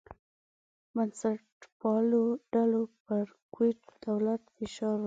بنسټپالو ډلو پر کویت دولت فشار راوړی.